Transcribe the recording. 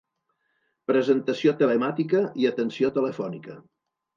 Presentació telemàtica i atenció telefònica.